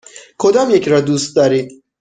کدامیک را دوست دارید؟